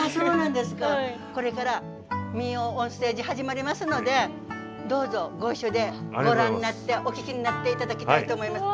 これから民謡オンステージ始まりますのでどうぞご一緒でご覧になってお聴きになっていただけたらと思います。